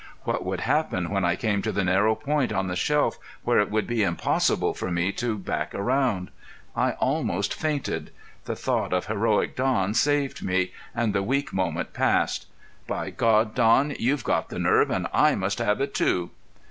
What would happen when I came to the narrow point on the shelf where it would be impossible for me to back around? I almost fainted. The thought of heroic Don saved me, and the weak moment passed. "By God, Don, you've got the nerve, and I must have it too!"